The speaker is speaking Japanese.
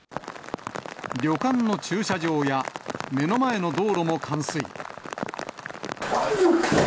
旅館の駐車場や、目の前の道路も冠水。